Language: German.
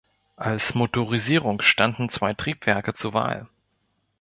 Als Motorisierung standen zwei Triebwerke zur Wahl.